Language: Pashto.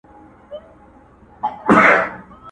هغه چي پولي د ایمان وې اوس یې نښه نسته.!